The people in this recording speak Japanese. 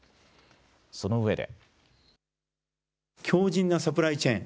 そのうえで。